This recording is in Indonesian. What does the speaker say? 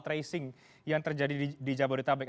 tracing yang terjadi di jabodetabek